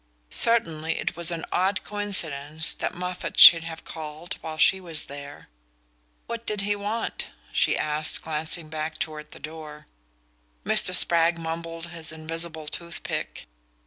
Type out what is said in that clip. Certainly it was an odd coincidence that Moffatt should have called while she was there... "What did he want?" she asked, glancing back toward the door. Mr. Spragg mumbled his invisible toothpick.